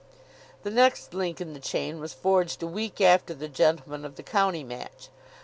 The next link in the chain was forged a week after the Gentlemen of the County match.